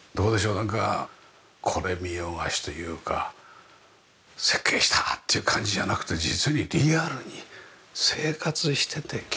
なんかこれ見よがしというか「設計した！」っていう感じじゃなくて実にリアルに生活してて気持ちいいといいますかね。